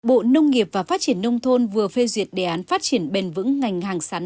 bộ nông nghiệp và phát triển nông thôn vừa phê duyệt đề án phát triển bền vững ngành hàng sắn